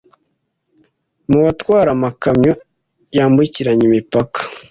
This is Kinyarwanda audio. mu batwara amakamyo yambukiranya imipaka